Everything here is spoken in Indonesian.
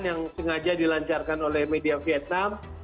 yang sengaja dilancarkan oleh media vietnam